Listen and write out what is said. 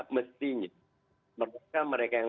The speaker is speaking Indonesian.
mestinya mereka yang